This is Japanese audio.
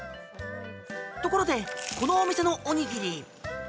ところでこのお店のおにぎり。